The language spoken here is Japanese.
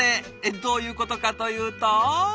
どういうことかというと。